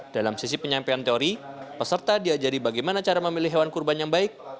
dalam sisi penyampaian teori peserta diajari bagaimana cara memilih hewan kurban yang baik